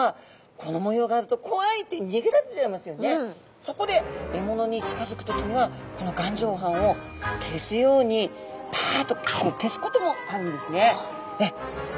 そこで獲物に近づく時にはこの眼状斑を消すようにパッと消すこともあるんですね。